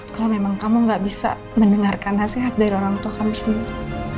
kalau memang kamu gak bisa mendengarkan nasihat dari orang tua kami sendiri